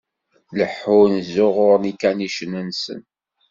Leḥḥun, ẓẓuɣuṛen ikanicen-nsen.